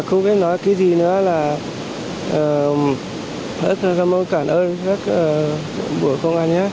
không biết nói cái gì nữa là hất cảm ơn các bộ công an nhé